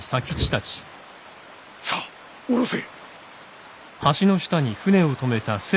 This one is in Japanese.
さあ下ろせ。